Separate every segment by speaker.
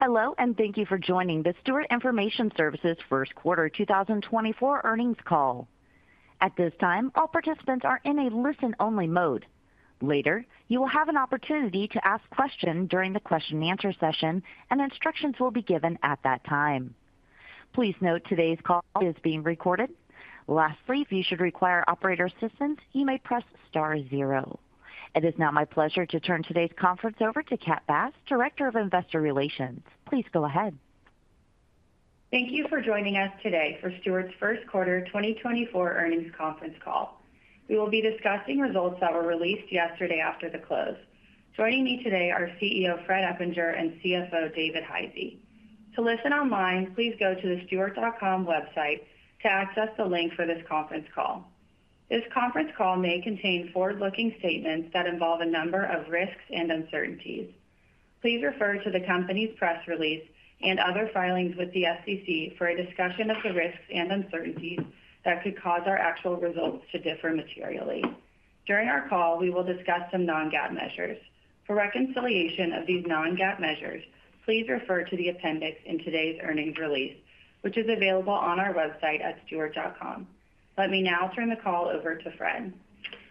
Speaker 1: Hello and thank you for joining the Stewart Information Services First Quarter 2024 Earnings Call. At this time, all participants are in a listen-only mode. Later, you will have an opportunity to ask questions during the question-and-answer session, and instructions will be given at that time. Please note today's call is being recorded. Lastly, if you should require operator assistance, you may press star zero. It is now my pleasure to turn today's conference over to Kat Bass, Director of Investor Relations. Please go ahead.
Speaker 2: Thank you for joining us today for Stewart's first quarter 2024 earnings conference call. We will be discussing results that were released yesterday after the close. Joining me today are CEO Fred Eppinger and CFO David Hisey. To listen online, please go to the stewart.com website to access the link for this conference call. This conference call may contain forward-looking statements that involve a number of risks and uncertainties. Please refer to the company's press release and other filings with the SEC for a discussion of the risks and uncertainties that could cause our actual results to differ materially. During our call, we will discuss some non-GAAP measures. For reconciliation of these non-GAAP measures, please refer to the appendix in today's earnings release, which is available on our website at stewart.com. Let me now turn the call over to Fred.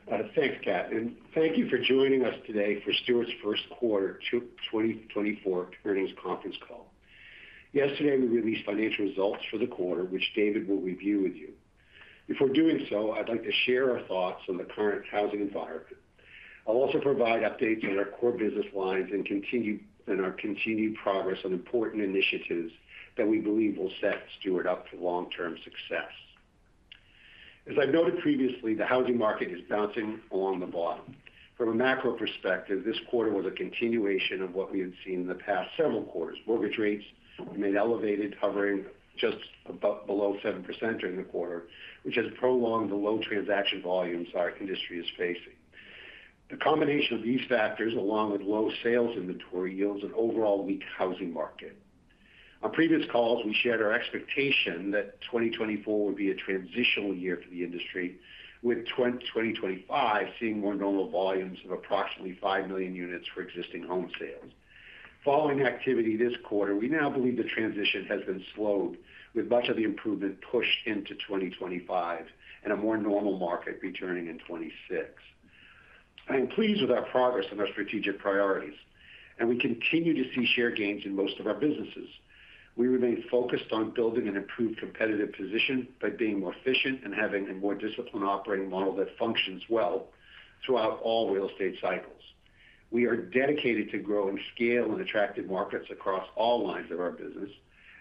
Speaker 3: Thanks, Kat. Thank you for joining us today for Stewart's first quarter 2024 earnings conference call. Yesterday, we released financial results for the quarter, which David will review with you. Before doing so, I'd like to share our thoughts on the current housing environment. I'll also provide updates on our core business lines and our continued progress on important initiatives that we believe will set Stewart up for long-term success. As I've noted previously, the housing market is bouncing along the bottom. From a macro perspective, this quarter was a continuation of what we had seen in the past several quarters: mortgage rates remained elevated, hovering just below 7% during the quarter, which has prolonged the low transaction volumes our industry is facing. The combination of these factors, along with low sales inventory, yields an overall weak housing market. On previous calls, we shared our expectation that 2024 would be a transitional year for the industry, with 2025 seeing more normal volumes of approximately 5 million units for existing home sales. Following activity this quarter, we now believe the transition has been slowed, with much of the improvement pushed into 2025 and a more normal market returning in 2026. I am pleased with our progress and our strategic priorities, and we continue to see share gains in most of our businesses. We remain focused on building an improved competitive position by being more efficient and having a more disciplined operating model that functions well throughout all real estate cycles. We are dedicated to growing scale and attractive markets across all lines of our business,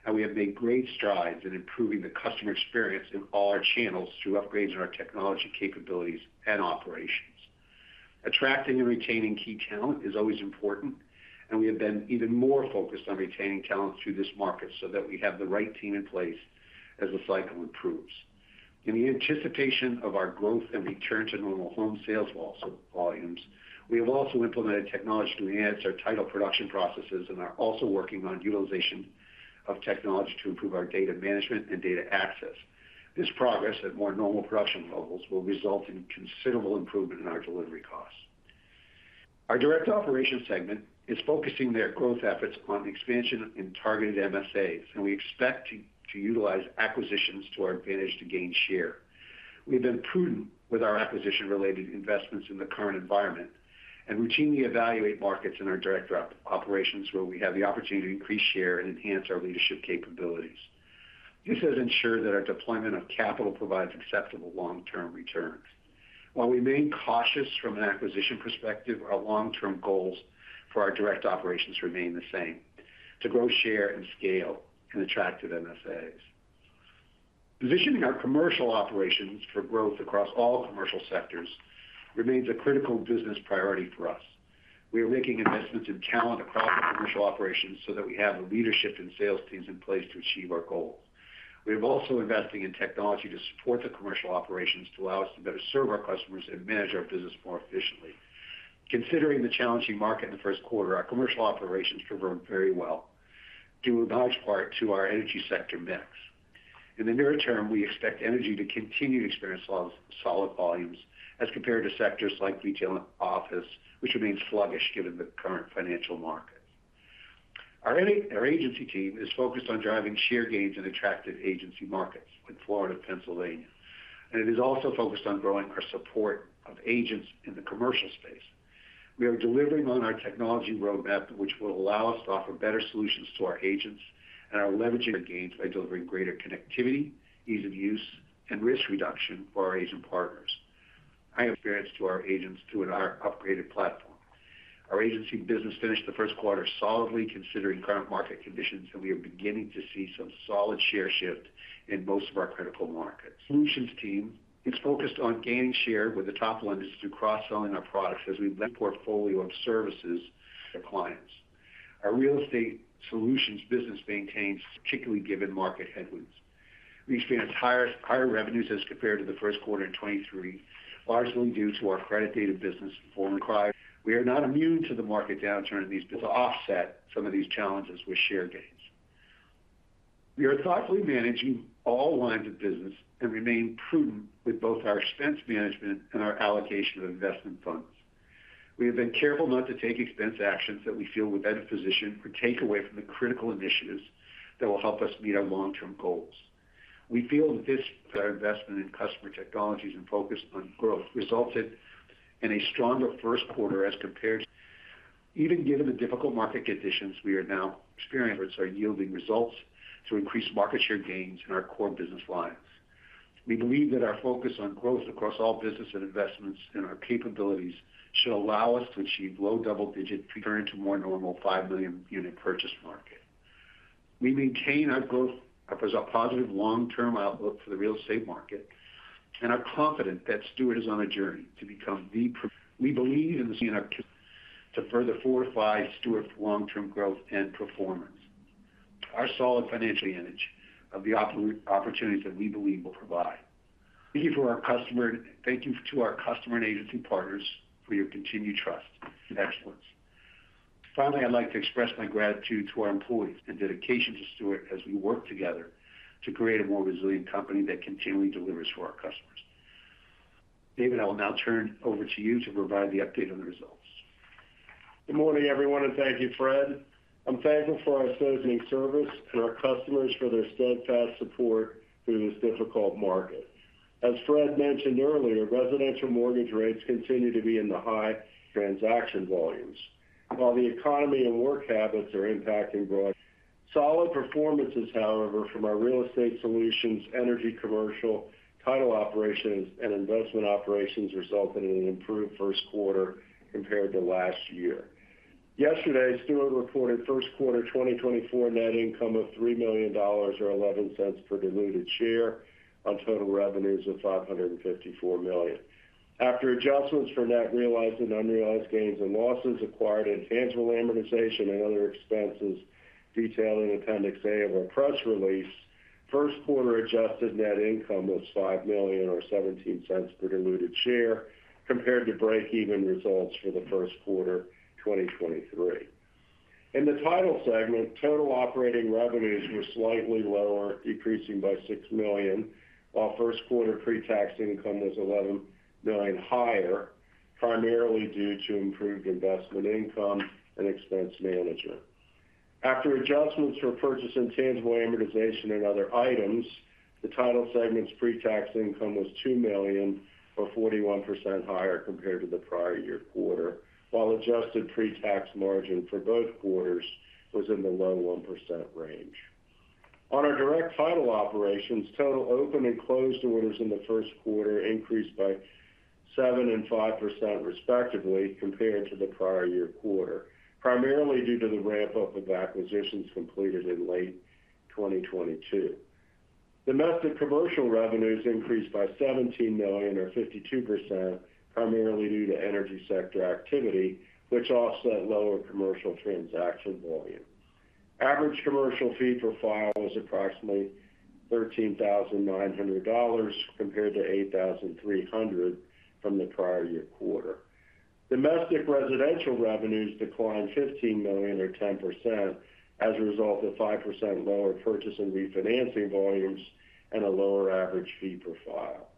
Speaker 3: and we have made great strides in improving the customer experience in all our channels through upgrades in our technology capabilities and operations. Attracting and retaining key talent is always important, and we have been even more focused on retaining talent through this market so that we have the right team in place as the cycle improves. In the anticipation of our growth and return to normal home sales volumes, we have also implemented technology to enhance our title production processes and are also working on utilization of technology to improve our data management and data access. This progress at more normal production levels will result in considerable improvement in our delivery costs. Our direct operations segment is focusing their growth efforts on expansion and targeted MSAs, and we expect to utilize acquisitions to our advantage to gain share. We've been prudent with our acquisition-related investments in the current environment and routinely evaluate markets in our direct operations, where we have the opportunity to increase share and enhance our leadership capabilities. This has ensured that our deployment of capital provides acceptable long-term returns. While we remain cautious from an acquisition perspective, our long-term goals for our direct operations remain the same: to grow share and scale and attractive MSAs. Positioning our commercial operations for growth across all commercial sectors remains a critical business priority for us. We are making investments in talent across the commercial operations so that we have the leadership and sales teams in place to achieve our goals. We are also investing in technology to support the commercial operations to allow us to better serve our customers and manage our business more efficiently. Considering the challenging market in the first quarter, our commercial operations perform very well, due in large part to our energy sector mix. In the near term, we expect energy to continue to experience solid volumes as compared to sectors like retail and office, which remains sluggish given the current financial markets. Our agency team is focused on driving share gains in attractive agency markets like Florida and Pennsylvania, and it is also focused on growing our support of agents in the commercial space. We are delivering on our technology roadmap, which will allow us to offer better solutions to our agents and are leveraging our gains by delivering greater connectivity, ease of use, and risk reduction for our agent partners, i.e., experience to our agents through our upgraded platform. Our agency business finished the first quarter solidly, considering current market conditions, and we are beginning to see some solid share shift in most of our critical markets. Solutions team is focused on gaining share with the top 100 through cross-selling our products as we build a portfolio of services for clients. Our Real Estate Solutions business maintains. Particularly given market headwinds, we experienced higher revenues as compared to the first quarter in 2023, largely due to our credit data business formerly acquired. We are not immune to the market downturn in these. To offset some of these challenges with share gains, we are thoughtfully managing all lines of business and remain prudent with both our expense management and our allocation of investment funds. We have been careful not to take expense actions that we feel would better position or take away from the critical initiatives that will help us meet our long-term goals. We feel that this. Our investment in customer technologies and focus on growth resulted in a stronger first quarter as compared. Even given the difficult market conditions we are now experiencing. Our yielding results to increase market share gains in our core business lines. We believe that our focus on growth across all business and investments and our capabilities should allow us to achieve low double-digit return to more normal 5 million unit purchase market. We maintain our positive long-term outlook for the real estate market and are confident that Stewart is on a journey to become the. We believe in the. To further fortify Stewart's long-term growth and performance. Our solid financial advantage of the opportunities that we believe will provide. Thank you to our customer and agency partners for your continued trust and excellence. Finally, I'd like to express my gratitude to our employees and dedication to Stewart as we work together to create a more resilient company that continually delivers for our customers. David, I will now turn over to you to provide the update on the results.
Speaker 4: Good morning, everyone, and thank you, Fred. I'm thankful for our sales and service and our customers for their steadfast support through this difficult market. As Fred mentioned earlier, residential mortgage rates continue to be in the high 7s, impacting transaction volumes, while the economy and work habits are impacting broadly. Solid performances, however, from our Real Estate Solutions, energy and commercial, title operations, and investment operations resulted in an improved first quarter compared to last year. Yesterday, Stewart reported first quarter 2024 net income of $3 million or $0.11 per diluted share on total revenues of $554 million. After adjustments for net realized and unrealized gains and losses, acquired intangible amortization, and other expenses detailed in Appendix A of our press release, first quarter adjusted net income was $5 million or $0.17 per diluted share compared to break-even results for the first quarter 2023. In the title segment, total operating revenues were slightly lower, decreasing by $6 million, while first quarter pre-tax income was $11 million higher, primarily due to improved investment income and expense management. After adjustments for purchase and tangible amortization and other items, the title segment's pre-tax income was $2 million or 41% higher compared to the prior year quarter, while adjusted pre-tax margin for both quarters was in the low 1% range. On our direct title operations, total open and closed orders in the first quarter increased by 7% and 5%, respectively, compared to the prior year quarter, primarily due to the ramp-up of acquisitions completed in late 2022. Domestic commercial revenues increased by $17 million or 52%, primarily due to energy sector activity, which offset lower commercial transaction volume. Average commercial fee per file was approximately $13,900 compared to $8,300 from the prior year quarter. Domestic residential revenues declined $15 million or 10% as a result of 5% lower purchase and refinancing volumes and a lower average fee per file.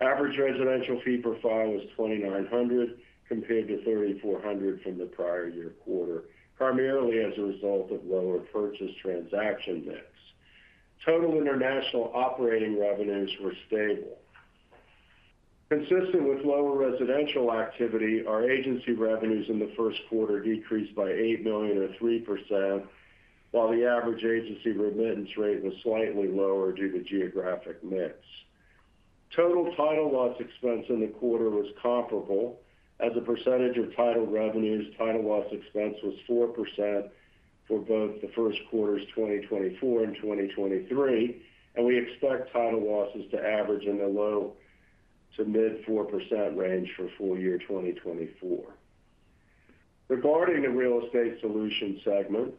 Speaker 4: Average residential fee per file was $2,900 compared to $3,400 from the prior year quarter, primarily as a result of lower purchase transaction mix. Total international operating revenues were stable. Consistent with lower residential activity, our agency revenues in the first quarter decreased by $8 million or 3%, while the average agency remittance rate was slightly lower due to geographic mix. Total title loss expense in the quarter was comparable. As a percentage of title revenues, title loss expense was 4% for both the first quarters 2024 and 2023, and we expect title losses to average in the low to mid-4% range for full year 2024. Regarding the Real Estate Solutions segment,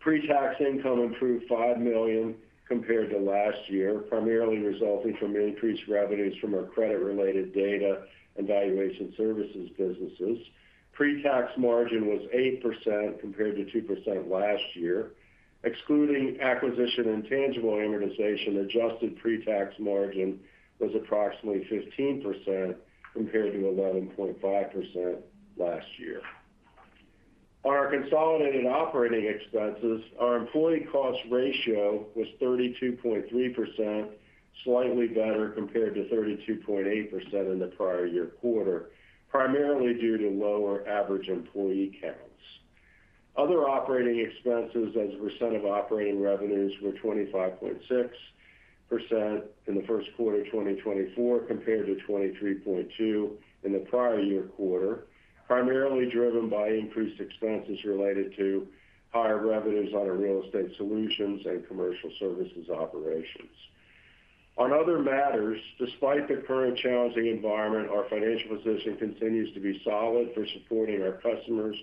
Speaker 4: pre-tax income improved $5 million compared to last year, primarily resulting from increased revenues from our credit-related data and valuation services businesses. Pre-tax margin was 8% compared to 2% last year. Excluding acquisition and tangible amortization, adjusted pre-tax margin was approximately 15% compared to 11.5% last year. On our consolidated operating expenses, our employee cost ratio was 32.3%, slightly better compared to 32.8% in the prior year quarter, primarily due to lower average employee counts. Other operating expenses, as a percent of operating revenues, were 25.6% in the first quarter 2024 compared to 23.2% in the prior year quarter, primarily driven by increased expenses related to higher revenues on our Real Estate Solutions and commercial services operations. On other matters, despite the current challenging environment, our financial position continues to be solid for supporting our customers,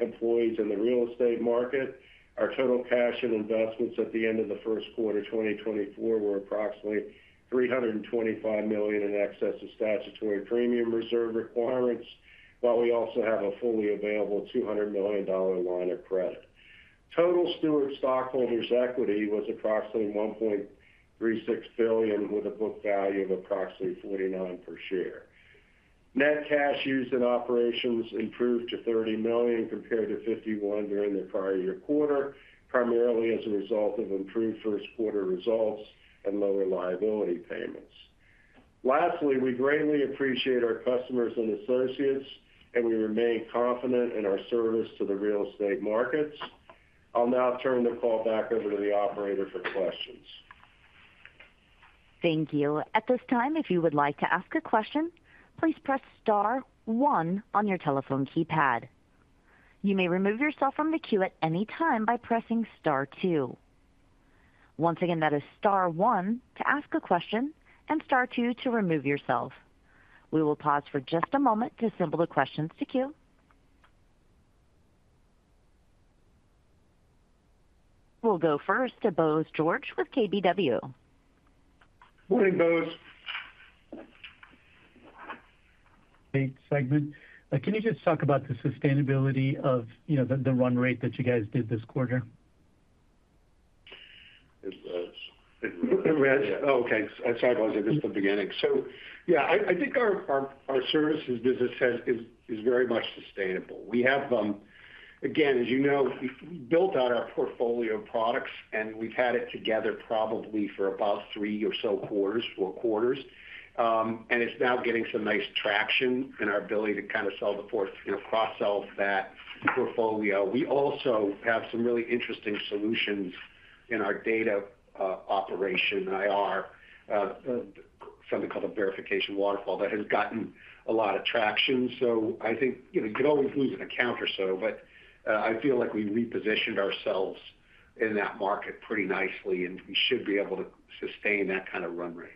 Speaker 4: employees, and the real estate market. Our total cash and investments at the end of the first quarter 2024 were approximately $325 million in excess of statutory premium reserve requirements, while we also have a fully available $200 million line of credit. Total Stewart stockholders' equity was approximately $1.36 billion, with a book value of approximately $49 per share. Net cash used in operations improved to $30 million compared to $51 million during the prior year quarter, primarily as a result of improved first quarter results and lower liability payments. Lastly, we greatly appreciate our customers and associates, and we remain confident in our service to the real estate markets. I'll now turn the call back over to the operator for questions.
Speaker 1: Thank you. At this time, if you would like to ask a question, please press star one on your telephone keypad. You may remove yourself from the queue at any time by pressing star two. Once again, that is star one to ask a question and star two to remove yourself. We will pause for just a moment to assemble the questions to queue. We'll go first to Bose George with KBW.
Speaker 3: Morning, Bose.
Speaker 5: Real Estate segment. Can you just talk about the sustainability of the run rate that you guys did this quarter?
Speaker 3: It was.
Speaker 5: It was?
Speaker 3: It was. Oh, okay. I apologize. I missed the beginning. So yeah, I think our services business is very much sustainable. Again, as you know, we built out our portfolio of products, and we've had it together probably for about 3 or so quarters, 4 quarters, and it's now getting some nice traction in our ability to kind of cross-sell that portfolio. We also have some really interesting solutions in our data operation, IR, something called a Verification Waterfall that has gotten a lot of traction. So I think you could always lose an account or so, but I feel like we repositioned ourselves in that market pretty nicely, and we should be able to sustain that kind of run rate.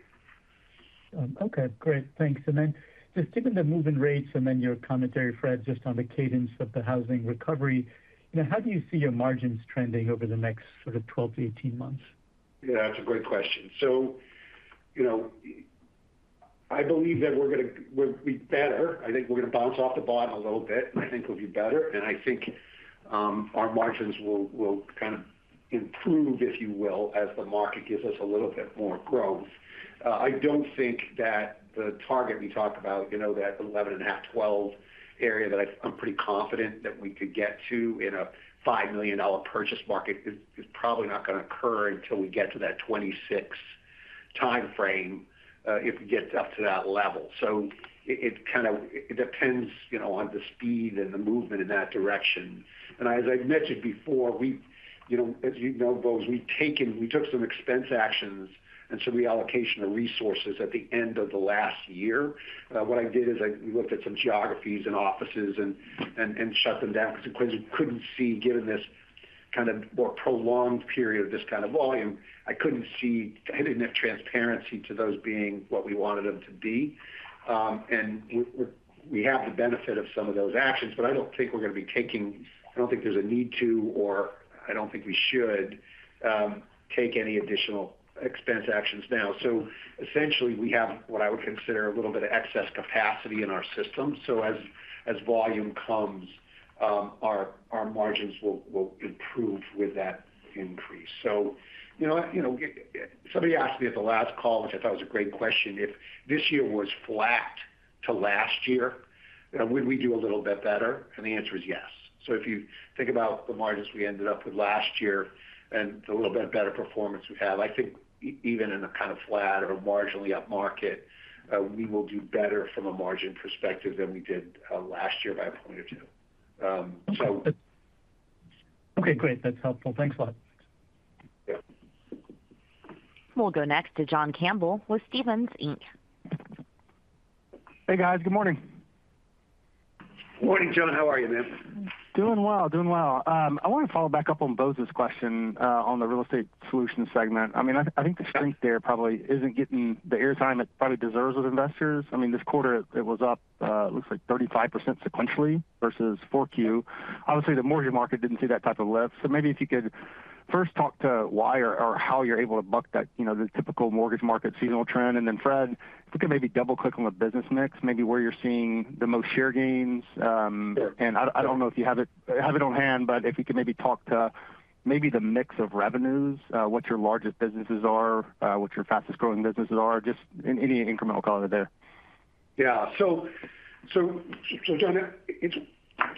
Speaker 5: Okay. Great. Thanks. And then just given the moving rates and then your commentary, Fred, just on the cadence of the housing recovery, how do you see your margins trending over the next sort of 12-18 months?
Speaker 3: Yeah, that's a great question. So I believe that we're going to be better. I think we're going to bounce off the bottom a little bit, and I think we'll be better. And I think our margins will kind of improve, if you will, as the market gives us a little bit more growth. I don't think that the target we talk about, that 11.5-12 area that I'm pretty confident that we could get to in a $5 million purchase market is probably not going to occur until we get to that 2026 timeframe if we get up to that level. So it kind of depends on the speed and the movement in that direction. And as I mentioned before, as you know, Bose, we took some expense actions and some reallocation of resources at the end of the last year. What I did is we looked at some geographies and offices and shut them down because we couldn't see, given this kind of more prolonged period of this kind of volume, I couldn't see. I didn't have transparency to those being what we wanted them to be. And we have the benefit of some of those actions, but I don't think we're going to be taking. I don't think there's a need to, or I don't think we should take any additional expense actions now. So essentially, we have what I would consider a little bit of excess capacity in our system. So as volume comes, our margins will improve with that increase. So somebody asked me at the last call, which I thought was a great question, if this year was flat to last year, would we do a little bit better? And the answer is yes. So if you think about the margins we ended up with last year and the little bit better performance we have, I think even in a kind of flat or marginally up market, we will do better from a margin perspective than we did last year by a point or two. So.
Speaker 5: Okay. Great. That's helpful. Thanks a lot.
Speaker 3: Yeah.
Speaker 1: We'll go next to John Campbell with Stephens Inc.
Speaker 6: Hey, guys. Good morning.
Speaker 3: Morning, John. How are you, man?
Speaker 6: Doing well. Doing well. I want to follow back up on Bose's question on the Real Estate Solutions segment. I mean, I think the strength there probably isn't getting the airtime it probably deserves with investors. I mean, this quarter, it was up, it looks like, 35% sequentially versus 4Q. Obviously, the mortgage market didn't see that type of lift. So maybe if you could first talk to why or how you're able to buck that typical mortgage market seasonal trend. And then, Fred, if we could maybe double-click on the business mix, maybe where you're seeing the most share gains. And I don't know if you have it on hand, but if we could maybe talk to maybe the mix of revenues, what your largest businesses are, what your fastest-growing businesses are, just any incremental color there.
Speaker 3: Yeah. So John,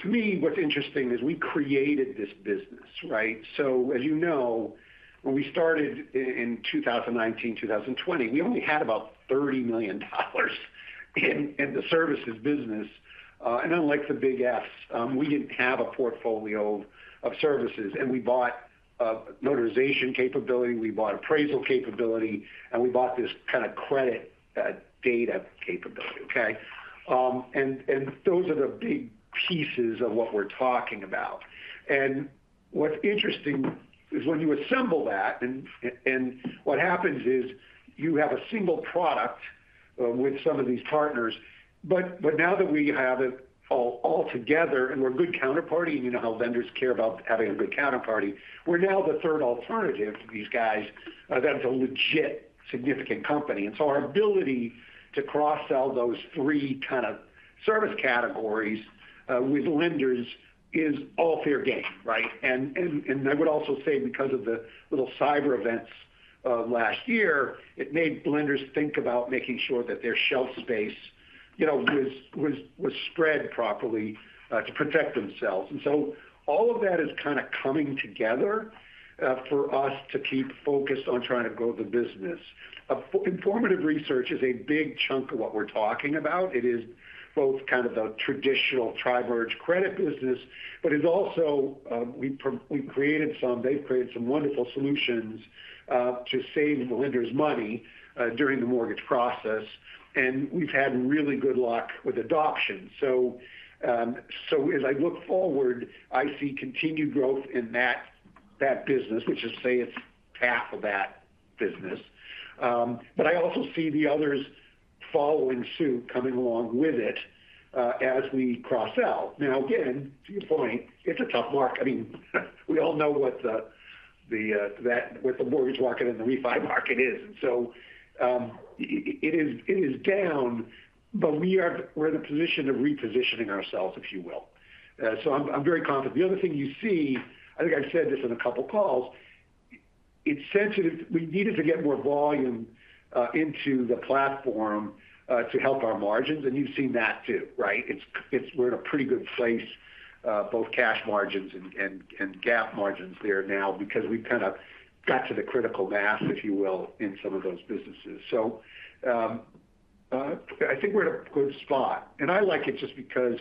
Speaker 3: to me, what's interesting is we created this business, right? So as you know, when we started in 2019, 2020, we only had about $30 million in the services business. And unlike the Big F's, we didn't have a portfolio of services. And we bought notarization capability, we bought appraisal capability, and we bought this kind of credit data capability, okay? And those are the big pieces of what we're talking about. And what's interesting is when you assemble that, and what happens is you have a single product with some of these partners. But now that we have it all together and we're a good counterparty, and you know how vendors care about having a good counterparty, we're now the third alternative to these guys that have a legit, significant company. And so our ability to cross-sell those three kind of service categories with lenders is all fair game, right? And I would also say because of the little cyber events last year, it made lenders think about making sure that their shelf space was spread properly to protect themselves. And so all of that is kind of coming together for us to keep focused on trying to grow the business. Informative Research is a big chunk of what we're talking about. It is both kind of the traditional tri-merge credit business, but it's also we've created some they've created some wonderful solutions to save lenders money during the mortgage process. And we've had really good luck with adoption. So as I look forward, I see continued growth in that business, which is, say, it's half of that business. But I also see the others following suit, coming along with it as we cross-sell. Now, again, to your point, it's a tough market. I mean, we all know what the mortgage market and the refi market is. And so it is down, but we're in a position of repositioning ourselves, if you will. So I'm very confident. The other thing you see I think I've said this in a couple of calls. We needed to get more volume into the platform to help our margins, and you've seen that too, right? We're in a pretty good place, both cash margins and GAAP margins there now because we've kind of got to the critical mass, if you will, in some of those businesses. So I think we're in a good spot. And I like it just because,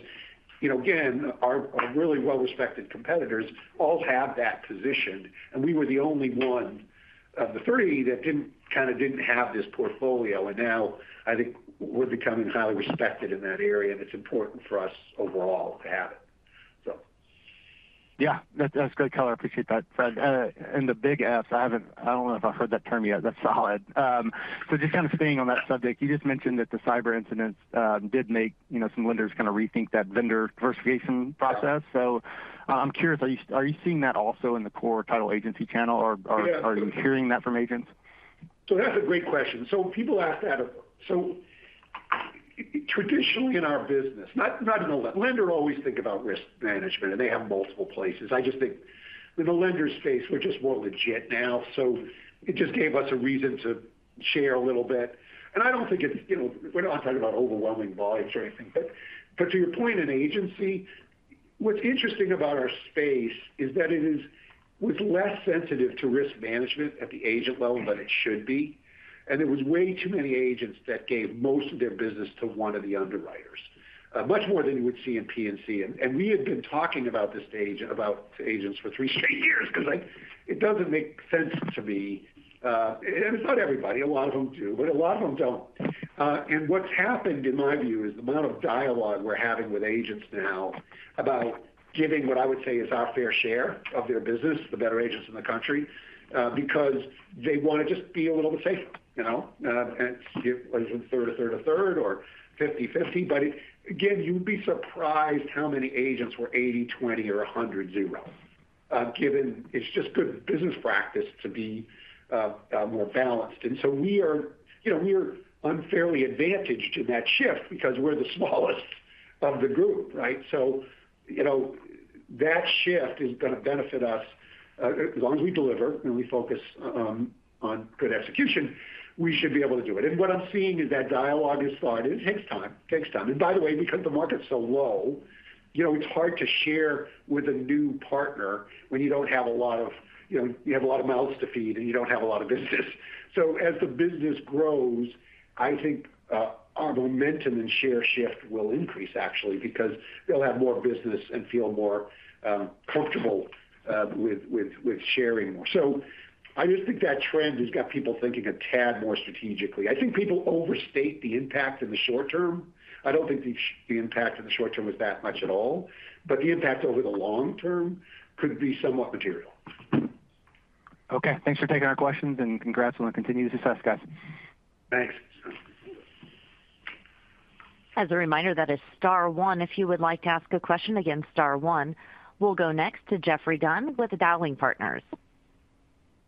Speaker 3: again, our really well-respected competitors all have that position. We were the only one of the three that kind of didn't have this portfolio. And now, I think we're becoming highly respected in that area, and it's important for us overall to have it, so.
Speaker 6: Yeah. That's great color. I appreciate that, Fred. And the Big F's, I don't know if I've heard that term yet. That's solid. So just kind of staying on that subject, you just mentioned that the cyber incidents did make some lenders kind of rethink that vendor diversification process. So I'm curious, are you seeing that also in the core title agency channel, or are you hearing that from agents?
Speaker 3: So that's a great question. So people ask that. So traditionally, in our business, not in the lender, always think about risk management, and they have multiple places. I just think in the lender space, we're just more legit now. So it just gave us a reason to share a little bit. And I don't think it's. We're not talking about overwhelming volumes or anything. But to your point on agency, what's interesting about our space is that it was less sensitive to risk management at the agent level than it should be. And there was way too many agents that gave most of their business to one of the underwriters, much more than you would see in P&C. And we had been talking about this to agents for three straight years because it doesn't make sense to me. And it's not everybody. A lot of them do, but a lot of them don't. And what's happened, in my view, is the amount of dialogue we're having with agents now about giving what I would say is our fair share of their business, the better agents in the country, because they want to just be a little bit safer. And it wasn't third, a third, a third, or 50/50. But again, you'd be surprised how many agents were 80/20 or 100/0, given it's just good business practice to be more balanced. And so we are unfairly advantaged in that shift because we're the smallest of the group, right? So that shift is going to benefit us. As long as we deliver and we focus on good execution, we should be able to do it. And what I'm seeing is that dialogue is thought, and it takes time. It takes time. By the way, because the market's so low, it's hard to share with a new partner when you don't have a lot of mouths to feed, and you don't have a lot of business. So as the business grows, I think our momentum and share shift will increase, actually, because they'll have more business and feel more comfortable with sharing more. So I just think that trend has got people thinking a tad more strategically. I think people overstate the impact in the short term. I don't think the impact in the short term is that much at all. But the impact over the long term could be somewhat material.
Speaker 6: Okay. Thanks for taking our questions, and congrats on the continued success, guys.
Speaker 3: Thanks.
Speaker 1: As a reminder, that is star one. If you would like to ask a question, again, star one. We'll go next to Jeffrey Dunn with Dowling & Partners.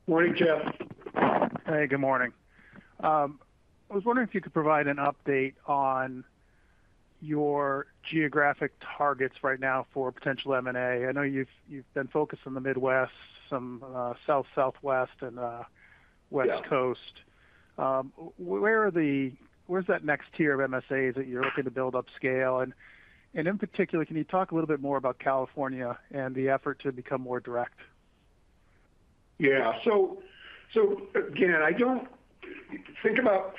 Speaker 3: Morning, Geoff.
Speaker 7: Hey. Good morning. I was wondering if you could provide an update on your geographic targets right now for potential M&A. I know you've been focused on the Midwest, some South, Southwest, and West Coast. Where's that next tier of MSAs that you're looking to build up scale? And in particular, can you talk a little bit more about California and the effort to become more direct?
Speaker 3: Yeah. So again, think about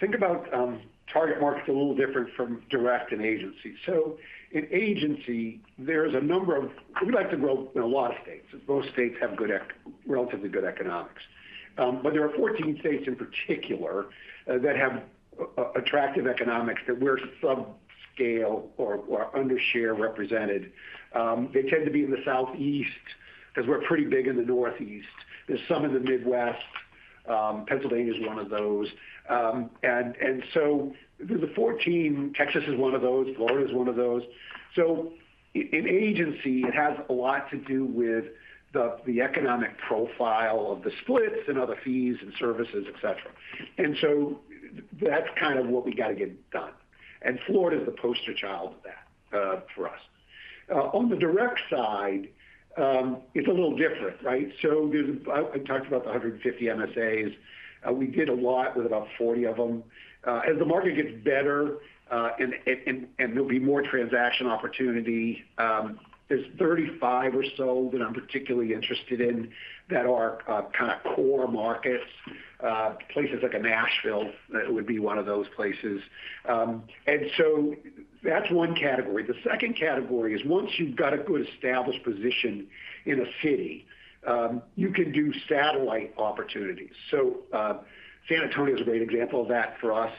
Speaker 3: target markets a little different from direct and agency. So in agency, there's a number of we like to grow in a lot of states. Most states have relatively good economics. But there are 14 states in particular that have attractive economics that we're subscale or underrepresented. They tend to be in the Southeast because we're pretty big in the Northeast. There's some in the Midwest. Pennsylvania is one of those. And so there's the 14. Texas is one of those. Florida is one of those. So in agency, it has a lot to do with the economic profile of the splits and other fees and services, etc. And so that's kind of what we got to get done. And Florida is the poster child of that for us. On the direct side, it's a little different, right? I talked about the 150 MSAs. We did a lot with about 40 of them. As the market gets better and there'll be more transaction opportunity, there's 35 or so that I'm particularly interested in that are kind of core markets, places like Nashville would be one of those places. That's one category. The second category is once you've got a good established position in a city, you can do satellite opportunities. San Antonio is a great example of that for us.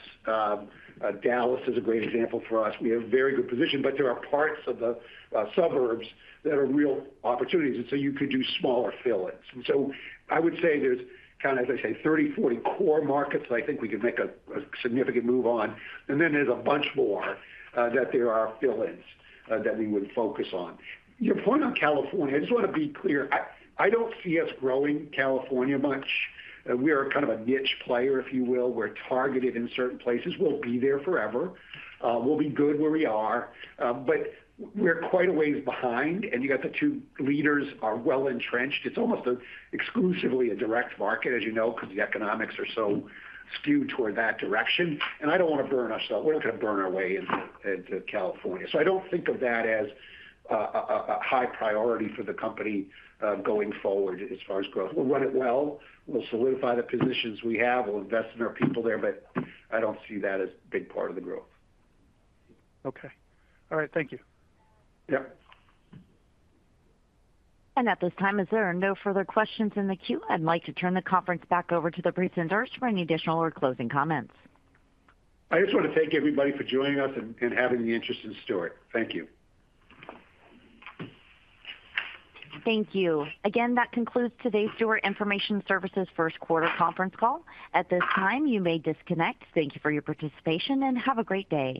Speaker 3: Dallas is a great example for us. We have a very good position. But there are parts of the suburbs that are real opportunities. You could do smaller fill-ins. I would say there's kind of, as I say, 30, 40 core markets that I think we could make a significant move on. There's a bunch more that there are fill-ins that we would focus on. Your point on California, I just want to be clear. I don't see us growing California much. We are kind of a niche player, if you will. We're targeted in certain places. We'll be there forever. We'll be good where we are. We're quite a ways behind. You got the two leaders are well entrenched. It's almost exclusively a direct market, as you know, because the economics are so skewed toward that direction. I don't want to burn us, though. We're not going to burn our way into California. I don't think of that as a high priority for the company going forward as far as growth. We'll run it well. We'll solidify the positions we have. We'll invest in our people there. But I don't see that as a big part of the growth.
Speaker 7: Okay. All right. Thank you.
Speaker 3: Yep.
Speaker 1: At this time, as there are no further questions in the queue, I'd like to turn the conference back over to the presenters for any additional or closing comments.
Speaker 3: I just want to thank everybody for joining us and having the interest in Stewart. Thank you.
Speaker 1: Thank you. Again, that concludes today's Stewart Information Services first-quarter conference call. At this time, you may disconnect. Thank you for your participation, and have a great day.